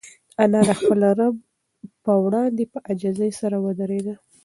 انا د خپل رب په وړاندې په عاجزۍ سره ودرېده.